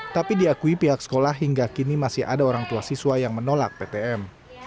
tapi diakui pihak sekolah hingga kini masih ada orang tua siswa yang menolak ptm